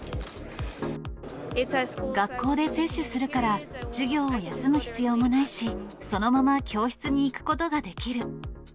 学校で接種するから、授業を休む必要もないし、そのまま教室に行くことができる。